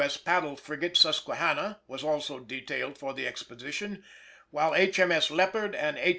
S. paddle frigate Susquehanna was also detailed for the expedition, while H.M.S. Leopard and H.